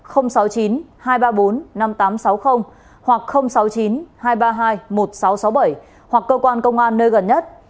hoặc sáu mươi chín hai trăm ba mươi hai một nghìn sáu trăm sáu mươi bảy hoặc cơ quan công an nơi gần nhất